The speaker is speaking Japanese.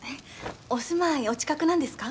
お住まいお近くなんですか？